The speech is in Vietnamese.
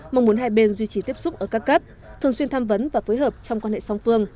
mong muốn hai bên duy trì tiếp xúc ở các cấp thường xuyên tham vấn và phối hợp trong quan hệ song phương